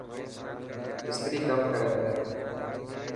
مستري ڪم ڪري پيا.